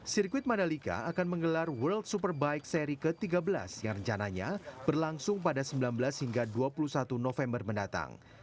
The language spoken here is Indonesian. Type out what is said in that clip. sirkuit mandalika akan menggelar world superbike seri ke tiga belas yang rencananya berlangsung pada sembilan belas hingga dua puluh satu november mendatang